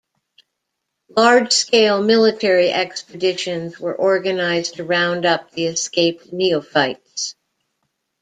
Large-scale military expeditions were organized to round up the escaped neophytes.